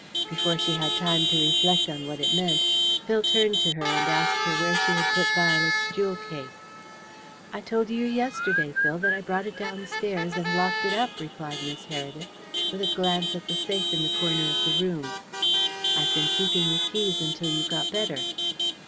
Before she had time to reflect on what it meant, Phil turned to her and asked her where she had put Violet's jewel case. "I told you yesterday, Phil, that I brought it downstairs and locked it up," replied Miss Heredith, with a glance at the safe in the corner of the room. "I have been keeping the keys until you got better."